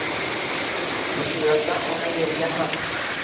Uchayotgan ona Yerga ham.